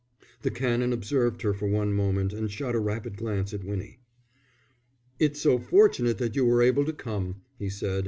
The Canon observed her for one moment and shot a rapid glance at Winnie. "It's so fortunate that you were able to come," he said.